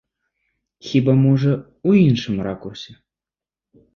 Хіба, можа, у іншым ракурсе.